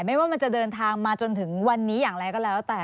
ไม่ว่ามันจะเดินทางมาจนถึงวันนี้อย่างไรก็แล้วแต่